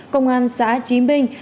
công an xã chí minh